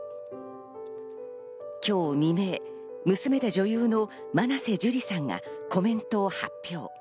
今日未明、娘で女優の真瀬樹里さんがコメントを発表。